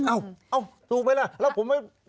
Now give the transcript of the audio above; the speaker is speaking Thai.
เอ้าถูกไหมล่ะแล้วผมไม่